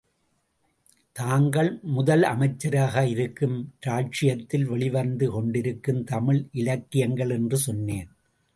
தாங்கள் முதலமைச்சராக இருக்கும் ராச்சியத்தில் வெளிவந்து கொண்டிருக்கும் தமிழ் இலக்கியங்கள் என்று சொன்னேன்.